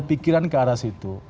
pikiran ke arah situ